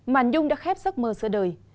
màn nhung đã khép giấc mơ giữa đời